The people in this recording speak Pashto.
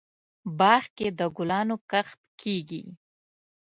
باغ کې دګلانو کښت کیږي